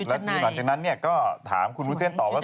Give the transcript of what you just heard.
แล้วทีหลังจากนั้นก็ถามคุณวุ้นเส้นตอบว่า